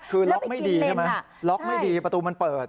คือล็อกไม่ดีใช่ไหมล็อกไม่ดีประตูมันเปิด